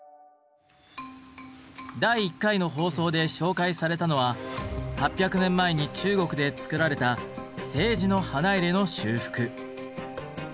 第１回の放送で紹介されたのは８００年前に中国で作られた青磁の花入の修復。